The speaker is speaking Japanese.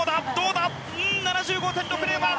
７５．６０は。